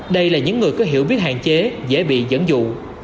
đây là những người có hiệu biết hạn chế dễ bị giấn dụ